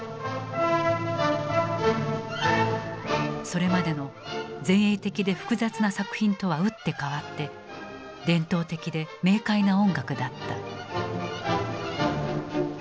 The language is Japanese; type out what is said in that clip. それまでの前衛的で複雑な作品とは打って変わって伝統的で明快な音楽だった。